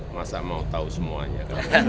masa mau tau semuanya